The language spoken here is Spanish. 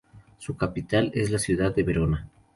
Su capital es la ciudad de Verona.